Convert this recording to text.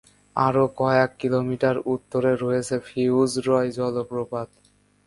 আরও কয়েক কিলোমিটার উত্তরে রয়েছে ফিটজরোয় জলপ্রপাত।